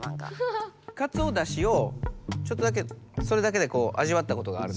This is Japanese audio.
かつおだしをちょっとだけそれだけでこうあじわったことがあるの？